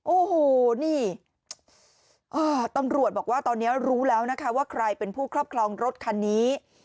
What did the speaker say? โอ้โหนี่ตำรวจบอกว่าตอนนี้รู้แล้วนะคะว่าใครเป็นผู้ครอบครองรถคันนี้